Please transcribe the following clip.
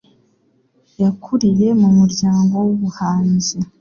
Yakuriye mu muryango wubuhanzi.